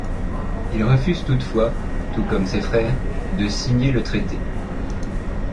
Il refuse toutefois, tout comme ses frères, de signer le traité.